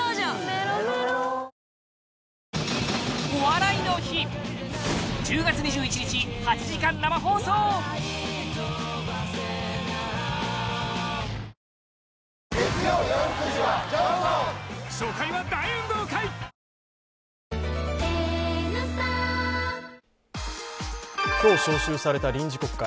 メロメロ今日召集された臨時国会。